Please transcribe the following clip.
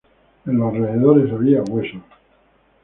En los alrededores había huesos.